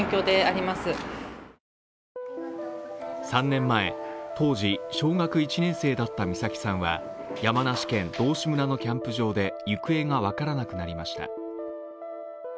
３年前、当時小学１年生だった美咲さんは山梨県道志村のキャンプ場で行方が分からなくなりました。